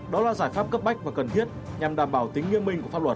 đó là giải pháp cấp bách và cần thiết nhằm đảm bảo tính nghiêm minh của pháp luật